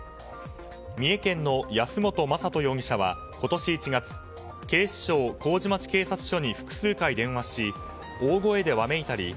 三重県の安本雅容疑者は今年１月警視庁麹町警察署に複数回電話し大声でわめいたり